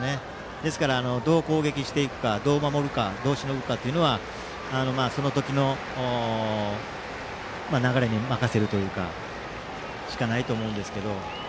ですから、どう攻撃していくかどう守るか、どうしのぐかがその時の流れに任せるしかないと思うんですけど。